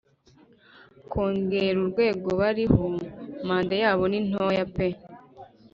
Kongera urwego bariho Manda yabo ni ntoya pe